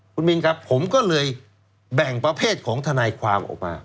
คุณมินครับผมก็เลยแบ่งประเภทของทนายความออกมา